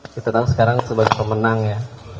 kita tahu sekarang sebagai pemenang ya